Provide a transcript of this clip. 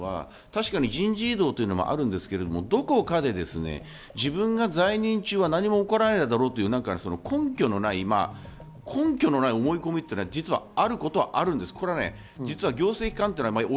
確かに人事異動というのもあるんですけど、どこかで自分が在任中は何も起こらないだろうという根拠のない思い込みというのが、実はあることはあるんです。